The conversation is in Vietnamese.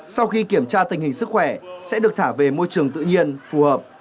sau khi kiểm tra tình hình sức khỏe sẽ được thả về môi trường tự nhiên phù hợp